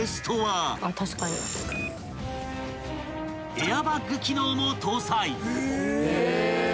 ［エアバッグ機能も搭載］